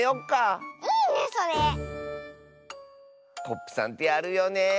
コップさんってやるよね。